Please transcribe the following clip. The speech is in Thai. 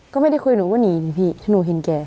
ก็ไม่ได้คุยหนูก็หนีพี่หนูเห็นแก